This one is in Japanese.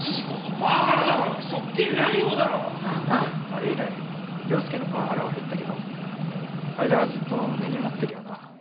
あれ以来椋介へのパワハラは減ったけど灰田はずっと根に持ってるよな。